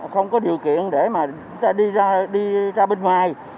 không có điều kiện để mà chúng ta đi ra bên ngoài